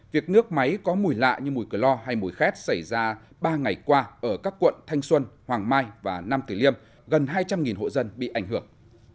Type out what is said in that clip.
việc nước máy có mùi lạ như mùi cờ lo hay mùi khét xảy ra ba ngày qua ở các quận thanh xuân hoàng mai và nam tử liêm gần hai trăm linh hộ dân bị ảnh hưởng